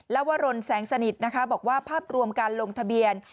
วรนแสงสนิทนะคะบอกว่าภาพรวมการลงทะเบียน